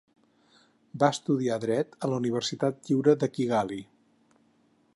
Va estudiar dret a la Universitat Lliure de Kigali.